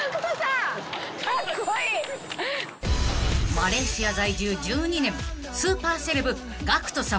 ［マレーシア在住１２年スーパーセレブＧＡＣＫＴさま］